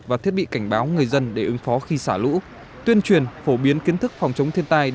và thiết bị cảnh báo người dân để ứng phó khi xả lũ tuyên truyền phổ biến kiến thức phòng chống thiên tai